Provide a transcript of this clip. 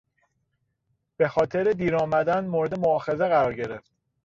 به خاطر دیر آمدن مورد موآخذه قرار گرفت.